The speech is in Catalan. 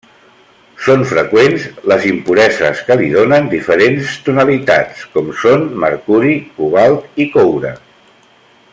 Són freqüents les impureses que li donen diferents tonalitats com són: mercuri, cobalt i coure.